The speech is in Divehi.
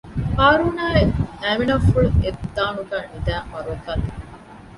ހާރޫނާއި އައިމިނާފުޅު އެއް ދާނުގައި ނިދައި މަރުވެފައި ތިވި